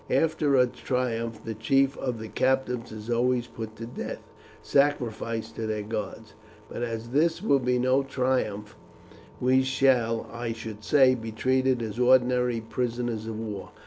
After a triumph the chief of the captives is always put to death, sacrificed to their gods. But as this will be no triumph, we shall, I should say, be treated as ordinary prisoners of war.